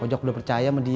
ojak udah percaya sama dia